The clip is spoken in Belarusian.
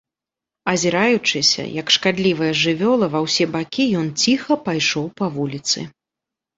Азіраючыся, як шкадлівая жывёла, ва ўсе бакі, ён ціха пайшоў па вуліцы.